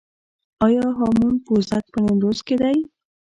آیا هامون پوزک په نیمروز کې دی؟